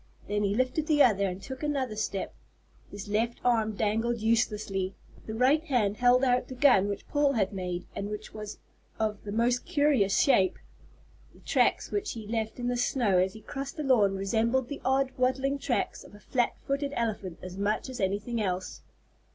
Then he lifted the other and took another step. His left arm dangled uselessly; the right hand held out the gun which Paul had made, and which was of the most curious shape. The tracks which he left in the snow as he crossed the lawn resembled the odd, waddling tracks of a flat footed elephant as much as anything else.